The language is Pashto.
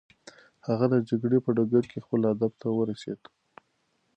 هغه د جګړې په ډګر کې خپل هدف ته ورسېد.